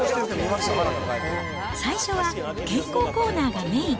最初は健康コーナーがメイン。